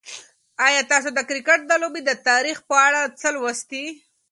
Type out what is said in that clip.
آیا تاسو د کرکټ د لوبې د تاریخ په اړه څه لوستي؟